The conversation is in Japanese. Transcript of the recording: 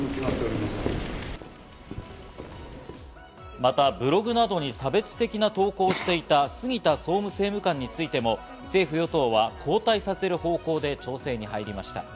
またブログなどに差別的な投稿をしていた杉田総務政務官についても政府・与党は交代させる方向で調整に入りました。